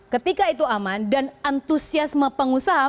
ketika itu aman dan antusiasme pengusaha